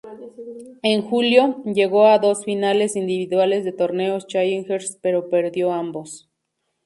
En julio, llegó a dos finales individuales de torneos challengers, pero perdió ambos.